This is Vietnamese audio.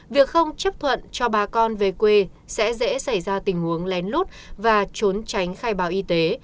việc không chấp thuận cho bà con về quê sẽ dễ xảy ra tình huống lén lút và trốn tránh khai báo y tế